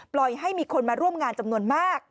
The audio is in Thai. ให้มีคนมาร่วมงานจำนวนมาก